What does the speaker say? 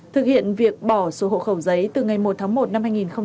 thực hiện việc bỏ số hộ khẩu giấy từ ngày một tháng một năm hai nghìn hai mươi